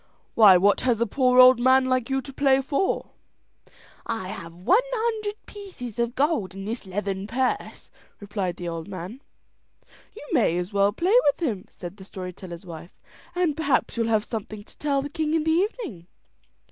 Why what has a poor old man like you to play for?" "I have one hundred pieces of gold in this leathern purse," replied the old man. "You may as well play with him," said the story teller's wife; "and perhaps you'll have something to tell the king in the evening."